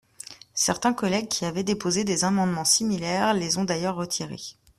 Certains collègues qui avaient déposé des amendements similaires les ont d’ailleurs retirés.